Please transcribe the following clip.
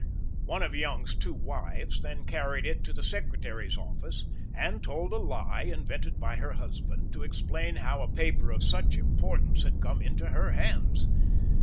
One of Young's two wives then carried it to the Secretary's Office, and told a lie, invented by her husband, to explain how a paper of such importance had come into her hands.